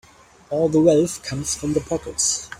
All the wealth comes from the pockets.